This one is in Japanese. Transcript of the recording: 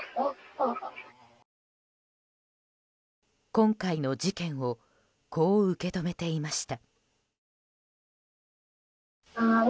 今回の事件をこう受け止めていました。